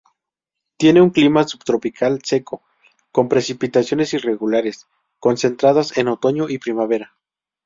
Tiene un clima subtropical seco, con precipitaciones irregulares, concentradas en otoño y primavera.